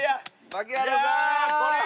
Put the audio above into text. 槙原さーん！